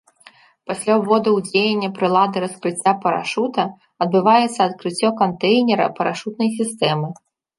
Пасля ўводу ў дзеянне прылады раскрыцця парашута, адбываецца адкрыццё кантэйнера парашутнай сістэмы.